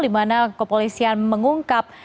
dimana kepolisian mengungkap